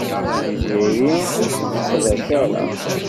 Tiziri ur tt-tesseqdac ara.